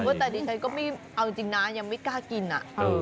ว่าแต่ดิฉันก็ไม่เอาจริงนะยังไม่กล้ากินอ่ะ